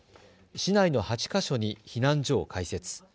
市内の８か所に避難所を開設。